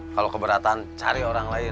kalau keberatan cari orang lain